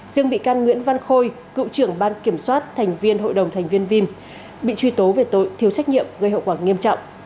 riêng bị can nguyễn văn khôi cựu trưởng ban kiểm soát thành viên hội đồng thành viên vim bị truy tố về tội thiếu trách nhiệm gây hậu quả nghiêm trọng